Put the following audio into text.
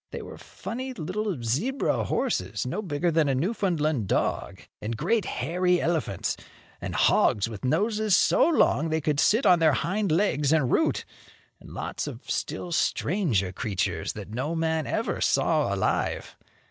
They were funny little zebra horses, no bigger than a Newfoundland dog, and great hairy elephants, and hogs with noses so long they could sit on their hind legs and root, and lots of still stranger creatures that no man ever saw alive.